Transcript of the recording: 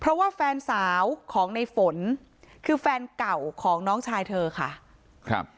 เพราะว่าแฟนสาวของในฝนคือแฟนเก่าของน้องชายเธอค่ะครับ